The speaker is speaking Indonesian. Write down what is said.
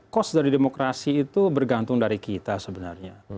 kos dari demokrasi itu bergantung dari kita sebenarnya